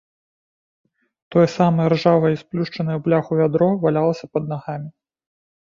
Тое самае ржавае і сплюшчанае ў бляху вядро валялася пад нагамі.